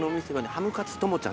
ハムカツトモちゃん？